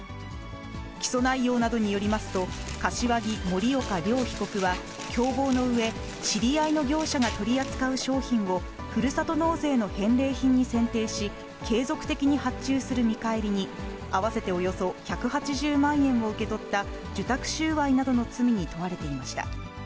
起訴内容などによりますと、柏木、森岡両被告は、共謀のうえ、知り合いの業者が取り扱う商品をふるさと納税の返礼品に選定し、継続的に発注する見返りに、合わせておよそ１８０万円を受け取った、受託収賄などの罪に問われていました。